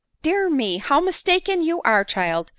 " Dear me ! how mistaken you are, child!